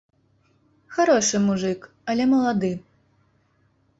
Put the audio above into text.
Харошы мужык, але малады.